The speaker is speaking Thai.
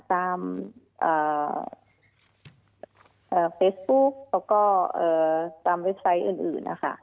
ตามเฟซบุ๊กแล้วก็ตามเว็บไซต์อื่นนะคะ